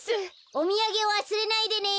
おみやげわすれないでね！